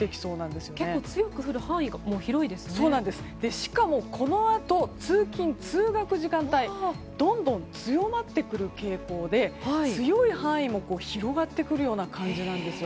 しかも、このあと通勤や通学時間帯はどんどん強まってくる傾向で強い範囲も広がってくるような感じです。